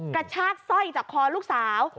กระชากสร้อยจากคอลูกสาว